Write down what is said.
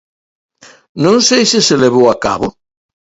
¿Non sei se se levou a cabo?